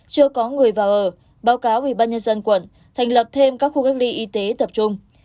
chưa có người vào ở báo cáo ủy ban nhân dân quận thành lập thêm các khu cách ly y tế tập trung